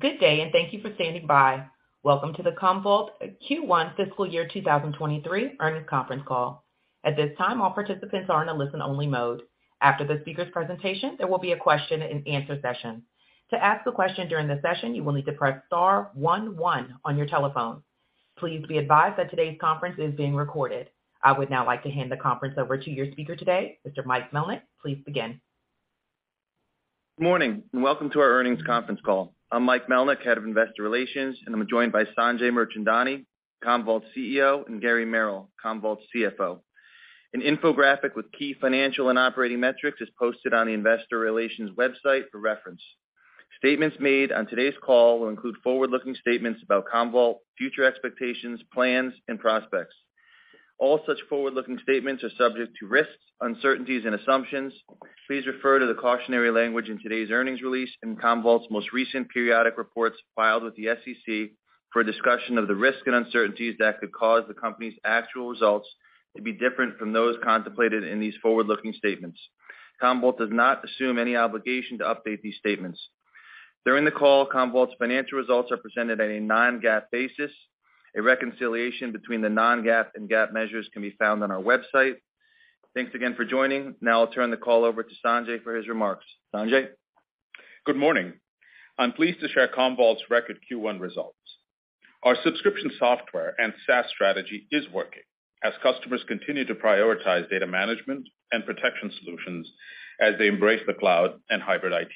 Good day, and thank you for standing by. Welcome to the Commvault Q1 fiscal year 2023 earnings conference call. At this time, all participants are in a listen-only mode. After the speaker's presentation, there will be a question and answer session. To ask a question during the session, you will need to press star one one on your telephone. Please be advised that today's conference is being recorded. I would now like to hand the conference over to your speaker today, Mr. Mike Melnyk. Please begin. Morning, welcome to our earnings conference call. I'm Mike Melnyk, Head of Investor Relations, and I'm joined by Sanjay Mirchandani, Commvault's CEO, and Gary Merrill, Commvault's CFO. An infographic with key financial and operating metrics is posted on the investor relations website for reference. Statements made on today's call will include forward-looking statements about Commvault, future expectations, plans and prospects. All such forward-looking statements are subject to risks, uncertainties and assumptions. Please refer to the cautionary language in today's earnings release and Commvault's most recent periodic reports filed with the SEC for a discussion of the risks and uncertainties that could cause the company's actual results to be different from those contemplated in these forward-looking statements. Commvault does not assume any obligation to update these statements. During the call, Commvault's financial results are presented on a non-GAAP basis. A reconciliation between the non-GAAP and GAAP measures can be found on our website. Thanks again for joining. Now I'll turn the call over to Sanjay for his remarks. Sanjay. Good morning. I'm pleased to share Commvault's record Q1 results. Our subscription software and SaaS strategy is working as customers continue to prioritize data management and protection solutions as they embrace the cloud and hybrid IT.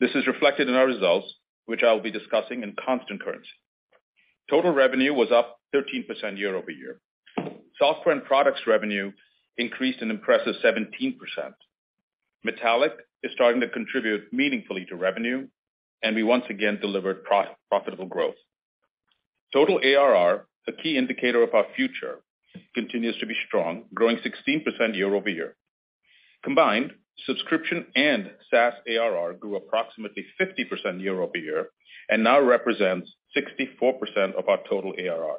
This is reflected in our results, which I'll be discussing in constant currency. Total revenue was up 13% year-over-year. Software and products revenue increased an impressive 17%. Metallic is starting to contribute meaningfully to revenue, and we once again delivered profitable growth. Total ARR, a key indicator of our future, continues to be strong, growing 16% year-over-year. Combined, subscription and SaaS ARR grew approximately 50% year-over-year and now represents 64% of our total ARR.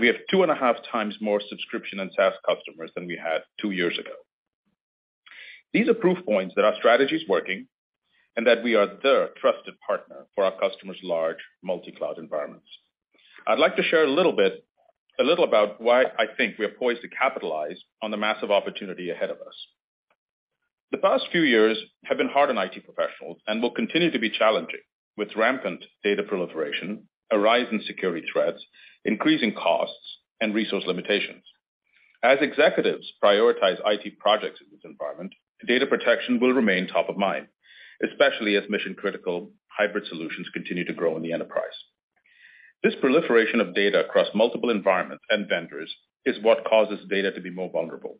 We have 2.5x more subscription and SaaS customers than we had two years ago. These are proof points that our strategy is working and that we are the trusted partner for our customers' large multi-cloud environments. I'd like to share a little bit about why I think we are poised to capitalize on the massive opportunity ahead of us. The past few years have been hard on IT professionals and will continue to be challenging with rampant data proliferation, a rise in security threats, increasing costs, and resource limitations. As executives prioritize IT projects in this environment, data protection will remain top of mind, especially as mission-critical hybrid solutions continue to grow in the enterprise. This proliferation of data across multiple environments and vendors is what causes data to be more vulnerable.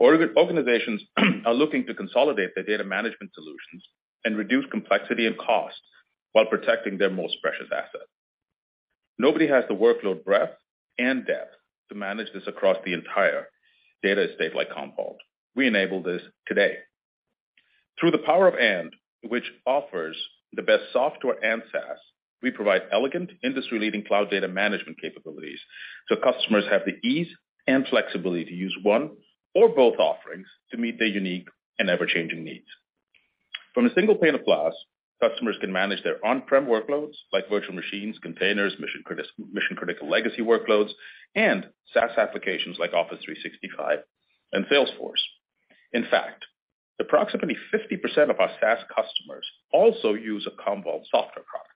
Organizations are looking to consolidate their data management solutions and reduce complexity and costs while protecting their most precious asset. Nobody has the workload breadth and depth to manage this across the entire data estate like Commvault. We enable this today. Through the Power of And, which offers the best software and SaaS, we provide elegant industry-leading cloud data management capabilities so customers have the ease and flexibility to use one or both offerings to meet their unique and ever-changing needs. From a single pane of glass, customers can manage their on-prem workloads like virtual machines, containers, mission-critical legacy workloads, and SaaS applications like Office 365 and Salesforce. In fact, approximately 50% of our SaaS customers also use a Commvault software product.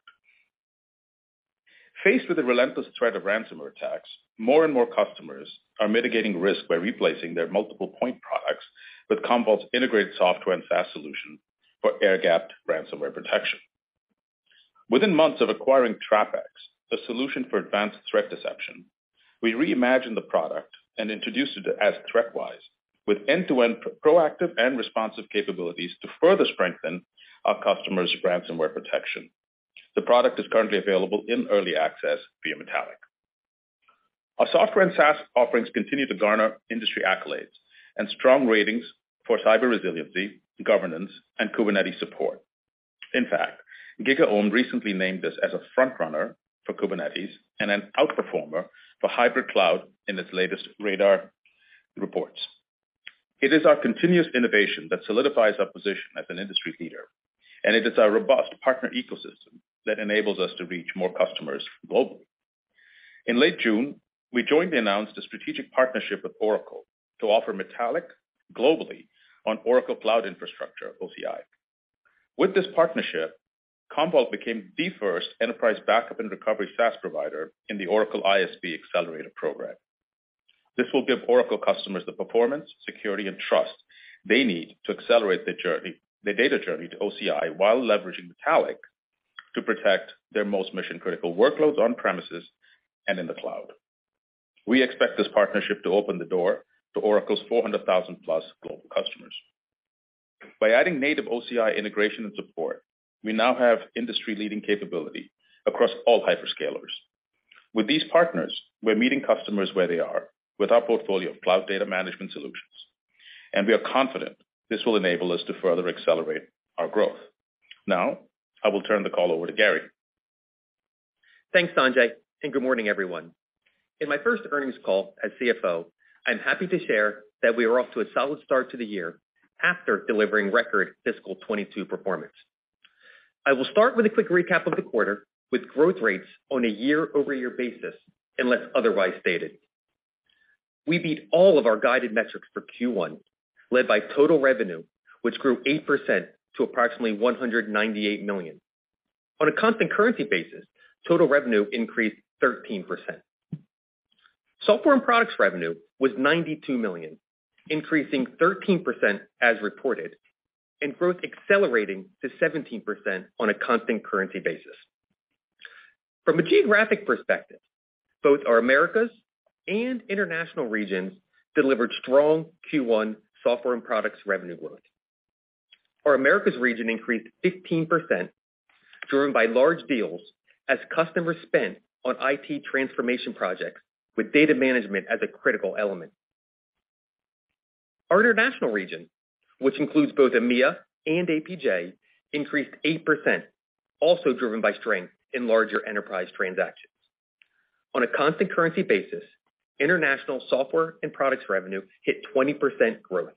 Faced with the relentless threat of ransomware attacks, more and more customers are mitigating risk by replacing their multiple point products with Commvault's integrated software and SaaS solution for air-gapped ransomware protection. Within months of acquiring TrapX, a solution for advanced threat deception, we reimagined the product and introduced it as ThreatWise with end-to-end proactive and responsive capabilities to further strengthen our customers' ransomware protection. The product is currently available in early access via Metallic. Our software and SaaS offerings continue to garner industry accolades and strong ratings for cyber resiliency, governance, and Kubernetes support. In fact, GigaOm recently named us as a frontrunner for Kubernetes and an outperformer for hybrid cloud in its latest radar reports. It is our continuous innovation that solidifies our position as an industry leader, and it is our robust partner ecosystem that enables us to reach more customers globally. In late June, we jointly announced a strategic partnership with Oracle to offer Metallic globally on Oracle Cloud Infrastructure, OCI. With this partnership, Commvault became the first enterprise backup and recovery SaaS provider in the Oracle ISV Accelerator Program. This will give Oracle customers the performance, security, and trust they need to accelerate their journey, their data journey to OCI while leveraging Metallic to protect their most mission-critical workloads on-premises and in the cloud. We expect this partnership to open the door to Oracle's 400,000+ global customers. By adding native OCI integration and support, we now have industry-leading capability across all hyperscalers. With these partners, we're meeting customers where they are with our portfolio of cloud data management solutions, and we are confident this will enable us to further accelerate our growth. Now, I will turn the call over to Gary. Thanks, Sanjay, and good morning, everyone. In my first earnings call as CFO, I'm happy to share that we are off to a solid start to the year after delivering record fiscal 2022 performance. I will start with a quick recap of the quarter, with growth rates on a year-over-year basis, unless otherwise stated. We beat all of our guided metrics for Q1, led by total revenue, which grew 8% to approximately $198 million. On a constant currency basis, total revenue increased 13%. Software and products revenue was $92 million, increasing 13% as reported, and growth accelerating to 17% on a constant currency basis. From a geographic perspective, both our Americas and International regions delivered strong Q1 software and products revenue growth. Our Americas region increased 15%, driven by large deals as customers spent on IT transformation projects with data management as a critical element. Our International region, which includes both EMEA and APJ, increased 8%, also driven by strength in larger enterprise transactions. On a constant currency basis, international software and products revenue hit 20% growth.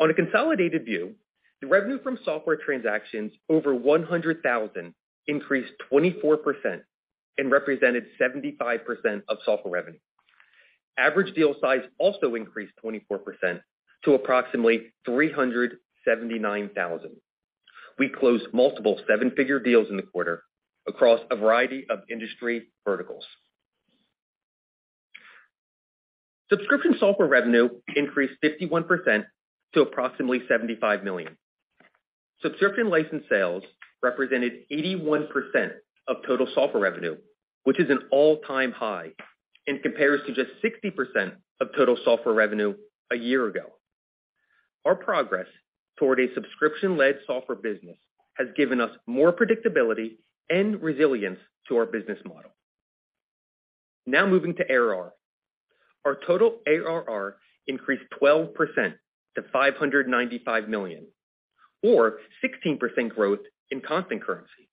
On a consolidated view, the revenue from software transactions over $100,000 increased 24% and represented 75% of software revenue. Average deal size also increased 24% to approximately $379,000. We closed multiple seven-figure deals in the quarter across a variety of industry verticals. Subscription software revenue increased 51% to approximately $75 million. Subscription license sales represented 81% of total software revenue, which is an all-time high and compares to just 60% of total software revenue a year ago. Our progress toward a subscription-led software business has given us more predictability and resilience to our business model. Now moving to ARR. Our total ARR increased 12% to $595 million, or 16% growth in constant currency.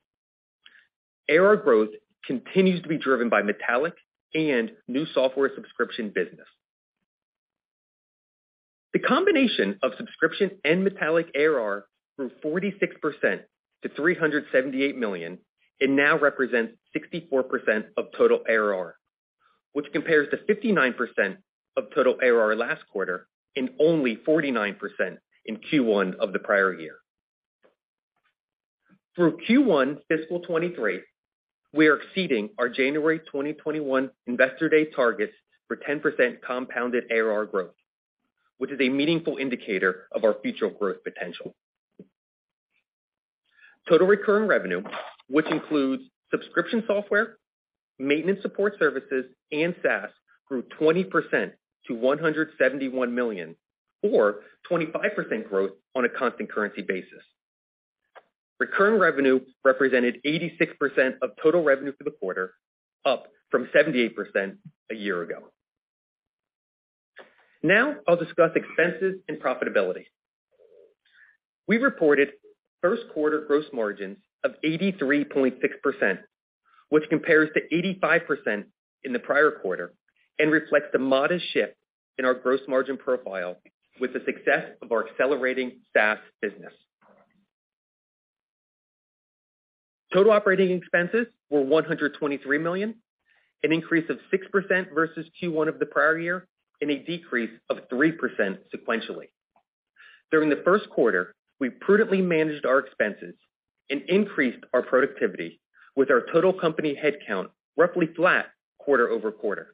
ARR growth continues to be driven by Metallic and new software subscription business. The combination of subscription and Metallic ARR grew 46% to $378 million and now represents 64% of total ARR, which compares to 59% of total ARR last quarter and only 49% in Q1 of the prior year. Through Q1 fiscal 2023, we are exceeding our January 2021 Investor Day targets for 10% compounded ARR growth, which is a meaningful indicator of our future growth potential. Total recurring revenue, which includes subscription software, maintenance support services, and SaaS, grew 20% to $171 million, or 25% growth on a constant currency basis. Recurring revenue represented 86% of total revenue for the quarter, up from 78% a year ago. Now I'll discuss expenses and profitability. We reported first quarter gross margins of 83.6%, which compares to 85% in the prior quarter and reflects the modest shift in our gross margin profile with the success of our accelerating SaaS business. Total operating expenses were $123 million, an increase of 6% versus Q1 of the prior year and a decrease of 3% sequentially. During the first quarter, we prudently managed our expenses and increased our productivity with our total company headcount roughly flat quarter-over-quarter.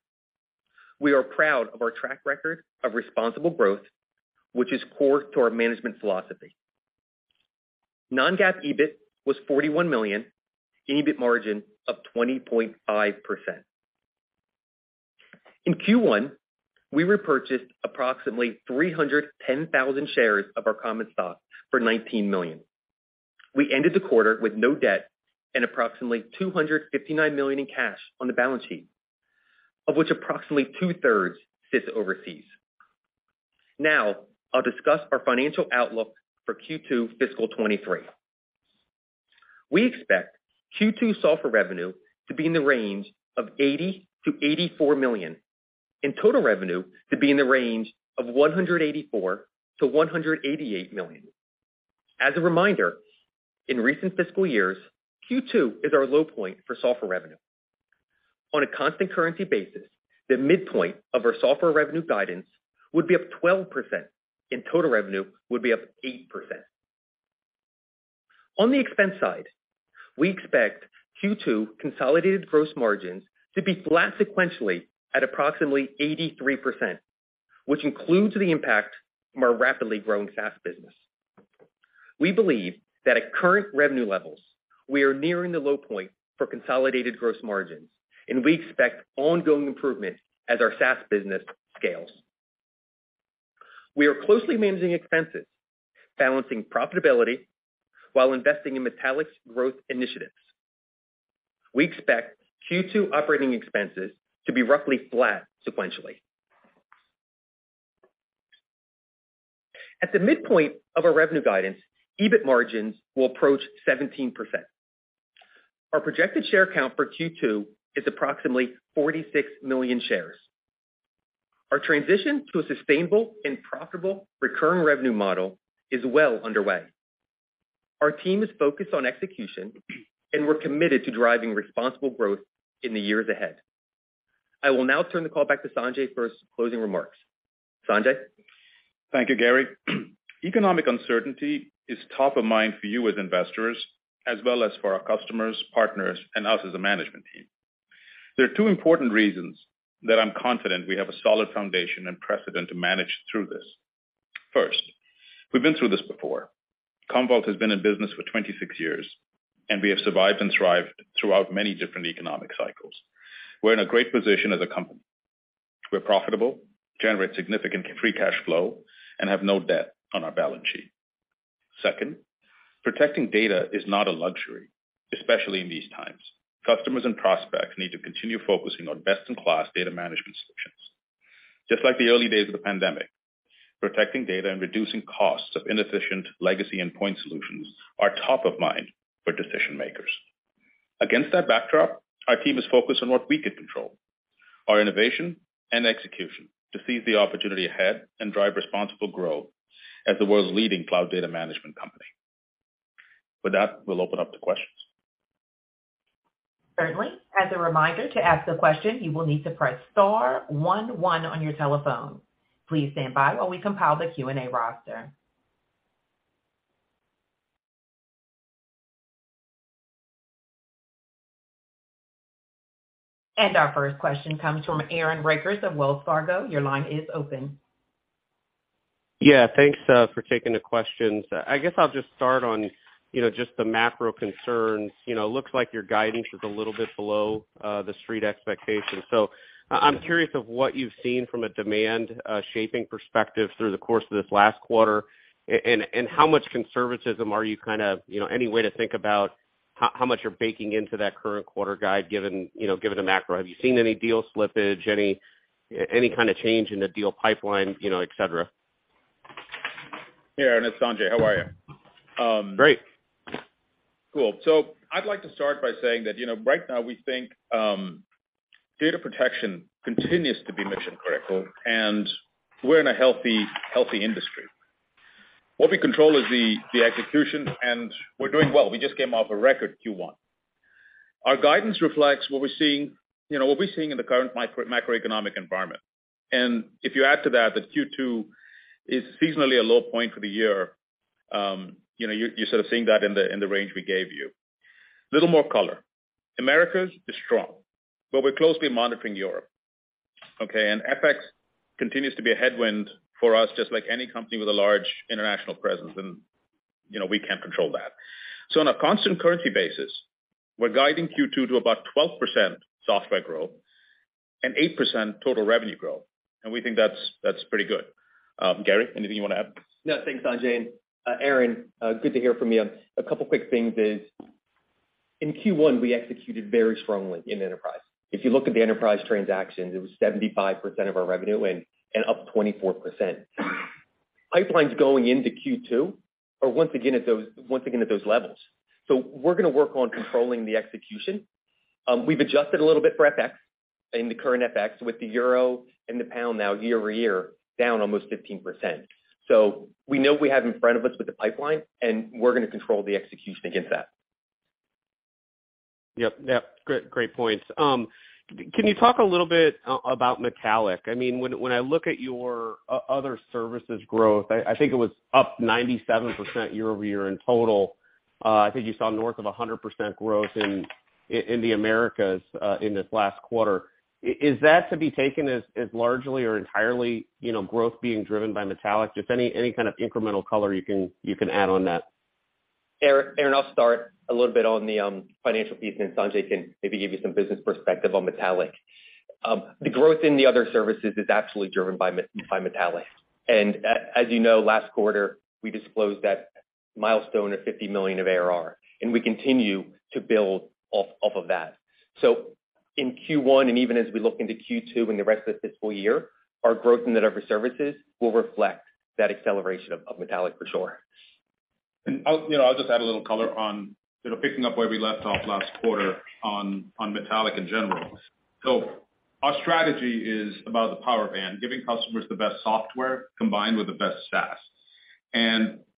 We are proud of our track record of responsible growth, which is core to our management philosophy. Non-GAAP EBIT was $41 million, an EBIT margin of 20.5%. In Q1, we repurchased approximately 310,000 shares of our common stock for $19 million. We ended the quarter with no debt and approximately $259 million in cash on the balance sheet, of which approximately 2/3 sits overseas. Now, I'll discuss our financial outlook for Q2 fiscal 2023. We expect Q2 software revenue to be in the range of $80 million-$84 million, and total revenue to be in the range of $184 million-$188 million. As a reminder, in recent fiscal years, Q2 is our low point for software revenue. On a constant currency basis, the midpoint of our software revenue guidance would be up 12%, and total revenue would be up 8%. On the expense side, we expect Q2 consolidated gross margins to be flat sequentially at approximately 83%, which includes the impact from our rapidly growing SaaS business. We believe that at current revenue levels, we are nearing the low point for consolidated gross margins, and we expect ongoing improvement as our SaaS business scales. We are closely managing expenses, balancing profitability while investing in Metallic's growth initiatives. We expect Q2 operating expenses to be roughly flat sequentially. At the midpoint of our revenue guidance, EBIT margins will approach 17%. Our projected share count for Q2 is approximately 46 million shares. Our transition to a sustainable and profitable recurring revenue model is well underway. Our team is focused on execution and we're committed to driving responsible growth in the years ahead. I will now turn the call back to Sanjay for his closing remarks. Sanjay? Thank you, Gary. Economic uncertainty is top of mind for you as investors as well as for our customers, partners, and us as a management team. There are two important reasons that I'm confident we have a solid foundation and precedent to manage through this. First, we've been through this before. Commvault has been in business for 26 years, and we have survived and thrived throughout many different economic cycles. We're in a great position as a company. We're profitable, generate significant free cash flow, and have no debt on our balance sheet. Second, protecting data is not a luxury, especially in these times. Customers and prospects need to continue focusing on best-in-class data management solutions. Just like the early days of the pandemic, protecting data and reducing costs of inefficient legacy and point solutions are top of mind for decision-makers. Against that backdrop, our team is focused on what we can control: our innovation and execution to seize the opportunity ahead and drive responsible growth as the world's leading cloud data management company. With that, we'll open up to questions. Certainly. As a reminder, to ask a question, you will need to press star one one on your telephone. Please stand by while we compile the Q&A roster. Our first question comes from Aaron Rakers of Wells Fargo. Your line is open. Yeah, thanks for taking the questions. I guess I'll just start on you know just the macro concerns. You know, looks like your guidance is a little bit below the street expectations. I'm curious of what you've seen from a demand shaping perspective through the course of this last quarter? And how much conservatism are you kind of you know any way to think about how much you're baking into that current quarter guide, given you know given the macro? Have you seen any deal slippage, any kind of change in the deal pipeline, you know, etc.? Hey, Aaron, it's Sanjay. How are you? Great. Cool. I'd like to start by saying that, you know, right now we think data protection continues to be mission-critical, and we're in a healthy industry. What we control is the execution, and we're doing well. We just came off a record Q1. Our guidance reflects what we're seeing, you know, what we're seeing in the current macroeconomic environment. If you add to that Q2 is seasonally a low point for the year, you know, you're sort of seeing that in the range we gave you. Little more color. Americas is strong, but we're closely monitoring Europe, okay? FX continues to be a headwind for us, just like any company with a large international presence, and, you know, we can't control that. On a constant currency basis, we're guiding Q2 to about 12% software growth and 8% total revenue growth, and we think that's pretty good. Gary, anything you wanna add? Yeah, thanks, Sanjay. Aaron, good to hear from you. A couple quick things is in Q1, we executed very strongly in enterprise. If you look at the enterprise transactions, it was 75% of our revenue and up 24%. Pipelines going into Q2 are once again at those levels. We're gonna work on controlling the execution. We've adjusted a little bit for FX, in the current FX, with the euro and the pound now year-over-year down almost 15%. We know what we have in front of us with the pipeline, and we're gonna control the execution against that. Yep. Great points. Can you talk a little bit about Metallic? I mean, when I look at your other services growth, I think it was up 97% year-over-year in total. I think you saw north of 100% growth in the Americas in this last quarter. Is that to be taken as largely or entirely, you know, growth being driven by Metallic? Just any kind of incremental color you can add on that. Aaron, I'll start a little bit on the financial piece, and Sanjay can maybe give you some business perspective on Metallic. The growth in the other services is absolutely driven by Metallic. As you know, last quarter, we disclosed that milestone of $50 million of ARR, and we continue to build off of that. In Q1, and even as we look into Q2 and the rest of the fiscal year, our growth in the other services will reflect that acceleration of Metallic for sure. I'll just add a little color on picking up where we left off last quarter on Metallic in general. Our strategy is about the Power of And, giving customers the best software combined with the best SaaS.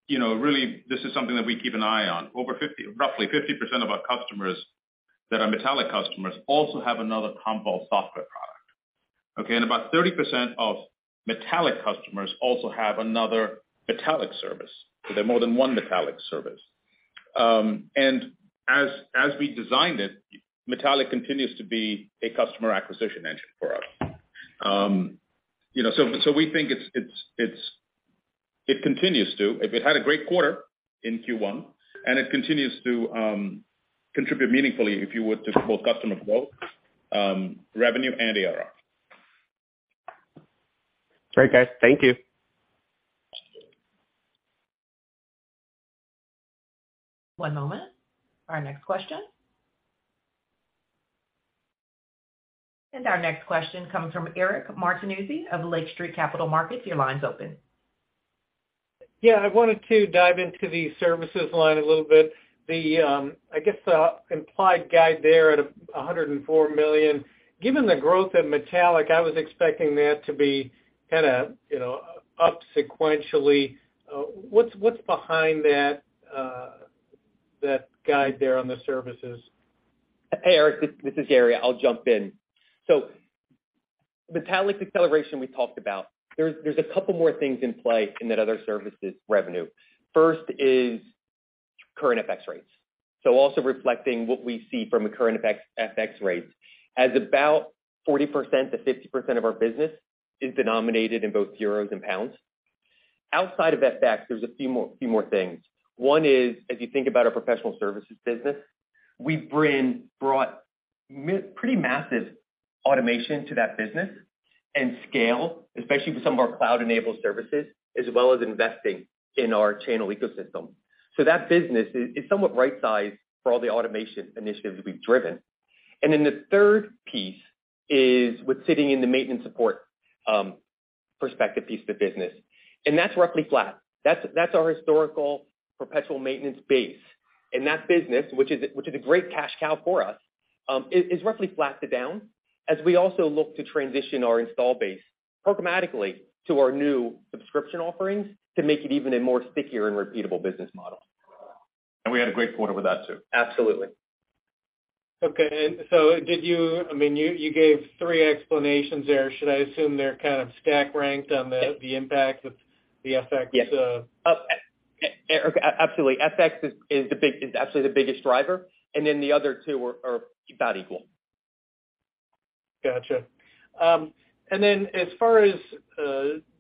You know, really, this is something that we keep an eye on. Over, roughly 50% of our customers that are Metallic customers also have another Commvault software product, okay? And about 30% of Metallic customers also have another Metallic service. So they're more than one Metallic service. As we designed it, Metallic continues to be a customer acquisition engine for us. You know, we think it's it continues to. It had a great quarter in Q1, and it continues to contribute meaningfully, if you would, to both customer growth, revenue, and ARR. Great, guys. Thank you. One moment. Our next question comes from Eric Martinuzzi of Lake Street Capital Markets. Your line's open. Yeah, I wanted to dive into the services line a little bit. I guess the implied guide there at $104 million. Given the growth in Metallic, I was expecting that to be kinda, you know, up sequentially. What's behind that guide there on the services? Hey, Eric, this is Gary. I'll jump in. Metallic's acceleration we talked about. There's a couple more things in play in that other services revenue. First is current FX rates. Also reflecting what we see from a current FX rates, as about 40%-50% of our business is denominated in both euros and pounds. Outside of FX, there's a few more things. One is, as you think about our professional services business, we brought pretty massive automation to that business and scale, especially with some of our cloud-enabled services, as well as investing in our channel ecosystem. That business is somewhat right sized for all the automation initiatives we've driven. Then the third piece is what's sitting in the maintenance support perspective piece of the business, and that's roughly flat. That's our historical perpetual maintenance base. That business, which is a great cash cow for us, is roughly flat to down as we also look to transition our install base programmatically to our new subscription offerings to make it even a more stickier and repeatable business model. We had a great quarter with that, too. Absolutely. Okay. I mean, you gave three explanations there. Should I assume they're kind of stack ranked on the impact of the FX? Yes. Okay, absolutely. FX is absolutely the biggest driver, and then the other two are about equal. Gotcha. As far as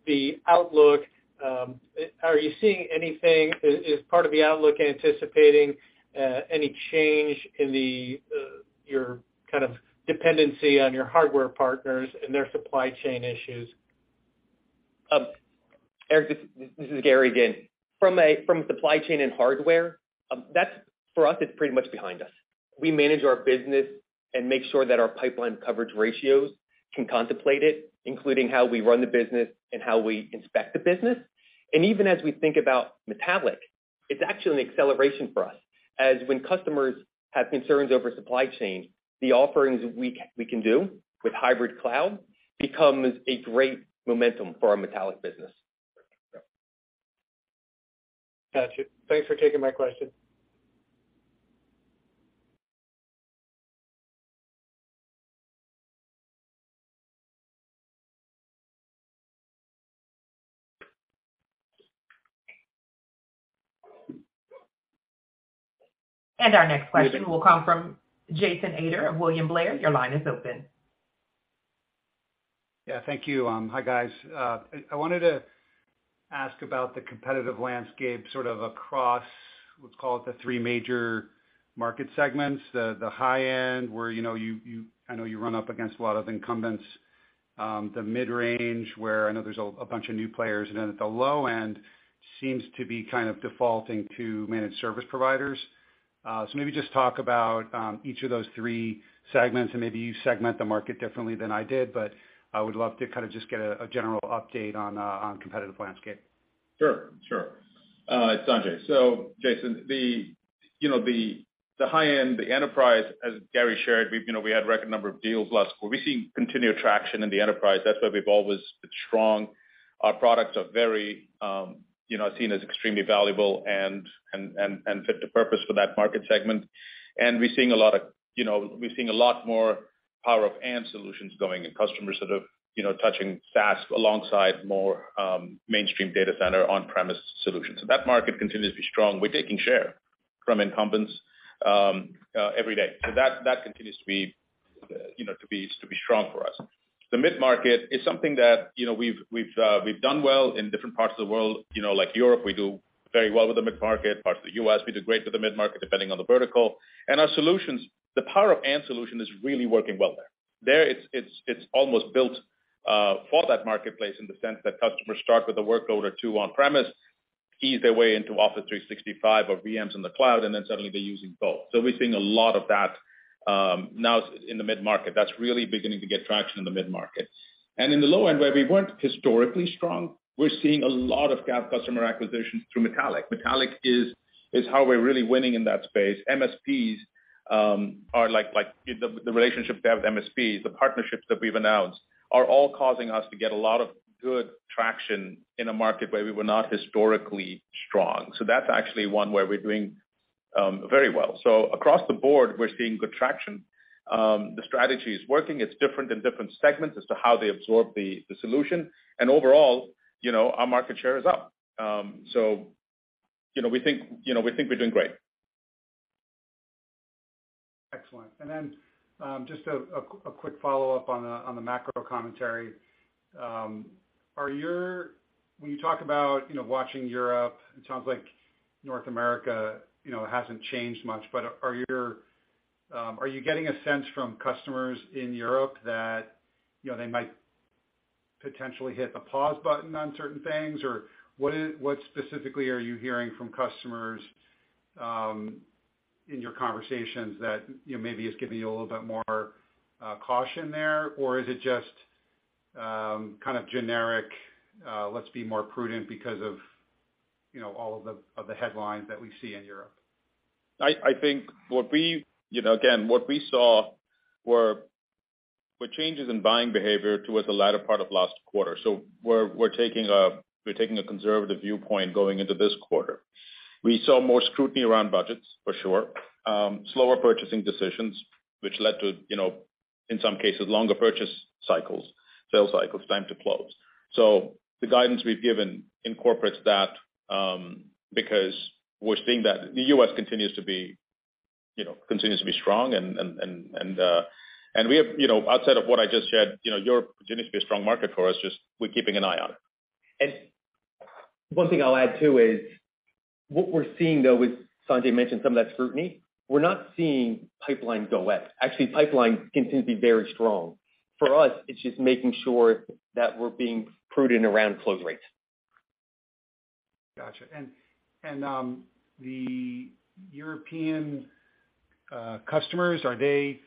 the outlook, is part of the outlook anticipating any change in your kind of dependency on your hardware partners and their supply chain issues? Eric, this is Gary again. From supply chain and hardware, that's for us. It's pretty much behind us. We manage our business and make sure that our pipeline coverage ratios can contemplate it, including how we run the business and how we inspect the business. Even as we think about Metallic, it's actually an acceleration for us, as when customers have concerns over supply chain, the offerings we can do with hybrid cloud becomes a great momentum for our Metallic business. Gotcha. Thanks for taking my question. Our next question will come from Jason Ader of William Blair. Your line is open. Yeah. Thank you. Hi, guys. I wanted to ask about the competitive landscape, sort of across what's called the three major market segments. The high end where, you know, you run up against a lot of incumbents. The mid-range where I know there's a bunch of new players. At the low end seems to be kind of defaulting to managed service providers. Maybe just talk about each of those three segments, and maybe you segment the market differently than I did, but I would love to kind of just get a general update on competitive landscape. Sure. Sure. It's Sanjay. Jason, you know, the high end, the enterprise, as Gary shared, we've you know we had record number of deals last quarter. We've seen continued traction in the enterprise. That's where we've always been strong. Our products are very you know seen as extremely valuable and fit the purpose for that market segment. We're seeing a lot of you know we're seeing a lot more Power of And solutions going, and customers that are you know touching SaaS alongside more mainstream data center on-premise solutions. That market continues to be strong. We're taking share from incumbents every day. That continues to be you know to be strong for us. The mid-market is something that you know we've done well in different parts of the world. You know, like Europe, we do very well with the mid-market. Parts of the U.S., we do great with the mid-market, depending on the vertical. Our solutions, the Power of And solution is really working well there. There it's almost built for that marketplace in the sense that customers start with a workload or two on-premise, key their way into Office 365 or VMs in the cloud, and then suddenly they're using both. We're seeing a lot of that now in the mid-market. That's really beginning to get traction in the mid-market. In the low end, where we weren't historically strong, we're seeing a lot of customer acquisitions through Metallic. Metallic is how we're really winning in that space. MSPs are like the relationship we have with MSPs. The partnerships that we've announced are all causing us to get a lot of good traction in a market where we were not historically strong. That's actually one where we're doing very well. Across the board, we're seeing good traction. The strategy is working. It's different in different segments as to how they absorb the solution. Overall, you know, our market share is up. You know, we think we're doing great. Excellent. Just a quick follow-up on the macro commentary. When you talk about, you know, watching Europe, it sounds like North America, you know, hasn't changed much. Are you getting a sense from customers in Europe that, you know, they might potentially hit the pause button on certain things? What specifically are you hearing from customers in your conversations that, you know, maybe it's giving you a little bit more caution there? Is it just kind of generic, let's be more prudent because of, you know, all of the headlines that we see in Europe? I think what we, you know, again, what we saw were changes in buying behavior towards the latter part of last quarter. We're taking a conservative viewpoint going into this quarter. We saw more scrutiny around budgets, for sure. Slower purchasing decisions, which led to, you know, in some cases, longer purchase cycles, sales cycles, time to close. The guidance we've given incorporates that, because we're seeing that the U.S. continues to be, you know, continues to be strong and we have, you know, outside of what I just said, you know, Europe continues to be a strong market for us, just we're keeping an eye on it. One thing I'll add, too, is what we're seeing, though, is Sanjay mentioned some of that scrutiny. We're not seeing pipeline go away. Actually, pipeline continues to be very strong. For us, it's just making sure that we're being prudent around close rates. Gotcha. The European customers, are they,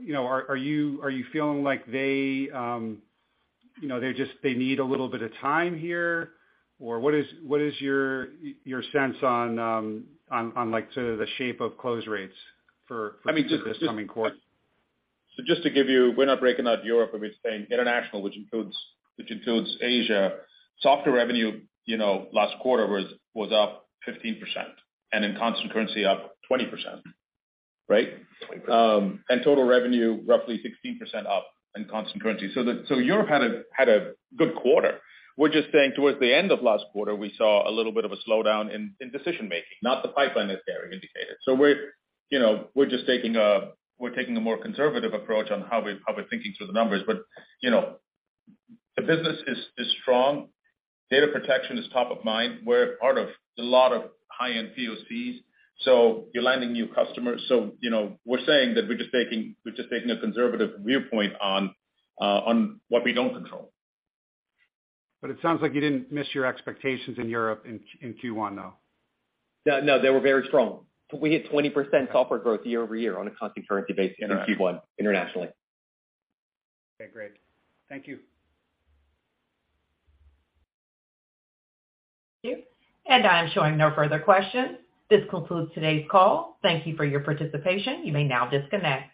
you know, are you feeling like they need a little bit of time here? Or what is your sense on, like, sort of the shape of close rates? I mean, just. For this coming quarter? Just to give you, we're not breaking out Europe, but we're saying international, which includes Asia. Software revenue, you know, last quarter was up 15%, and in constant currency up 20%. Right? 20%. Total revenue roughly 16% up in constant currency. Europe had a good quarter. We're just saying towards the end of last quarter, we saw a little bit of a slowdown in decision-making, not the pipeline, as Gary indicated. So we're, you know, taking a more conservative approach on how we're thinking through the numbers. But, you know, the business is strong. Data protection is top of mind. We're part of a lot of high-end POCs, so we're landing new customers. So, you know, we're saying that we're taking a conservative viewpoint on what we don't control. It sounds like you didn't miss your expectations in Europe in Q1, though. No, no, they were very strong. We hit 20% software growth year-over-year on a constant currency basis. International. In Q1 internationally. Okay, great. Thank you. Thank you. I'm showing no further questions. This concludes today's call. Thank you for your participation. You may now disconnect.